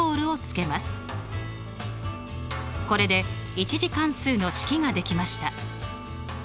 これで１次関数の式ができました。